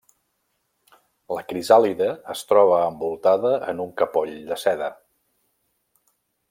La crisàlide es troba envoltada en un capoll de seda.